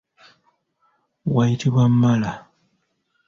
Wayitibwa mala.